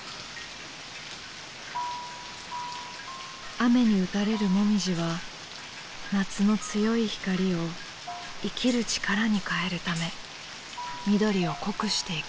雨に打たれるもみじは夏の強い光を生きる力に変えるため緑を濃くしていく。